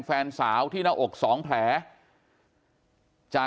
กลุ่มตัวเชียงใหม่